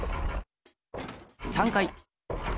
３回。